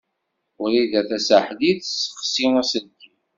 Wrida Tasaḥlit tessexsi aselkim.